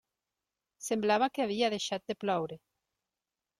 Semblava que havia deixat de ploure.